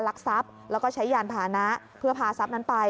ลักทรัพย์แล้วก็ใช้ยานพานะเพื่อพาทรัพย์นั้นไป